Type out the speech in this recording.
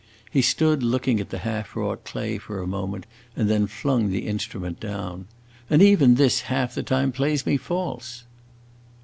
He stood looking at the half wrought clay for a moment, and then flung the instrument down. "And even this half the time plays me false!"